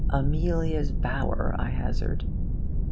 AMELIA'S BOWER, I hazard.)